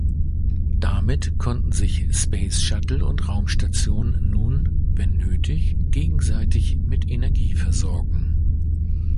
Damit konnten sich Space Shuttle und Raumstation nun, wenn nötig, gegenseitig mit Energie versorgen.